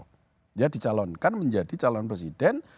dia dicalonkan menjadi calon presiden